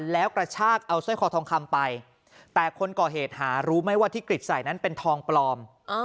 แล้วกระชากเอาสร้อยคอทองคำไปแต่คนก่อเหตุหารู้ไหมว่าที่กริจใส่นั้นเป็นทองปลอม